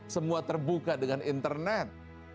semua terbuka dengan internet